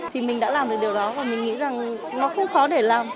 thì mình đã làm được điều đó và mình nghĩ rằng nó không khó để làm